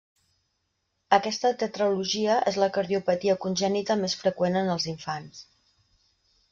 Aquesta tetralogia és la cardiopatia congènita més freqüent en els infants.